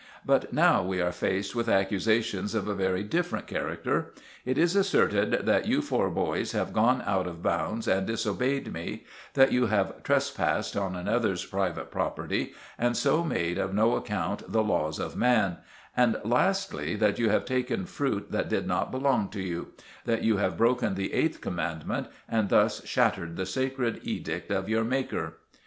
But now we are faced with accusations of a very different character. It is asserted that you four boys have gone out of bounds, and disobeyed me; that you have trespassed on another's private property, and so made of no account the laws of man; and, lastly, that you have taken fruit that did not belong to you—that you have broken the eighth Commandment, and thus shattered the sacred edict of your Maker!"